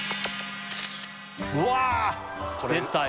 うわあ出たよ